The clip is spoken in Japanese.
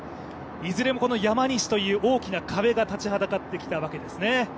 いずれもこの山西という大きな壁が立ちはだかってきたわけですね。